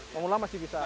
pemula masih bisa